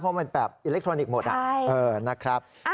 เพราะมันแบบอิเล็กทรอนิกส์หมดนะครับ